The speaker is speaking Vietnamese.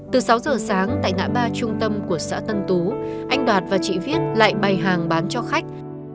từ sáu giờ sáng tại ngã ba trung tâm của xã tân tú anh đạt và chị viết lại bày hàng bán cho khách